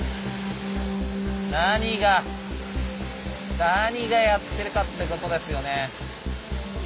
何が何がやってるかってことですよね。